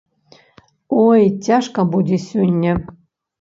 Ой, цяжка будзе сёння.